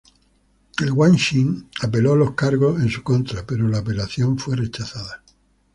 El Wang Xin apeló los cargos en su contra, pero la apelación fue rechazada.